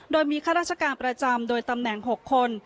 โดยมีข้าราชการประจำโดยตำแหน่ง๖คน